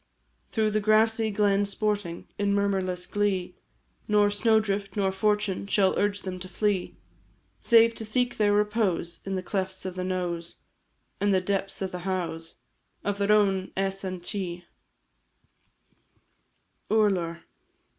Through the grassy glen sporting In murmurless glee, Nor snow drift nor fortune Shall urge them to flee, Save to seek their repose In the clefts of the knowes, And the depths of the howes Of their own Eas an ti. URLAR.